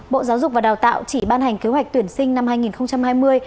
bộ giáo dục và đào tạo chỉ ban hành kế hoạch tuyển sinh năm hai nghìn hai mươi